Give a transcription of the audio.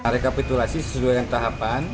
rekapitulasi sesuai yang tahapan